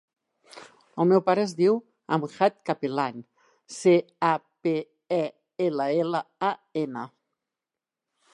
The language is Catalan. El meu pare es diu Amjad Capellan: ce, a, pe, e, ela, ela, a, ena.